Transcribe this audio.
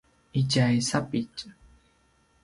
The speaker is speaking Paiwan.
itja sapitj